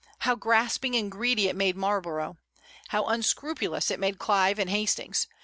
How grasping and greedy it made Marlborough! How unscrupulous it made Clive and Hastings!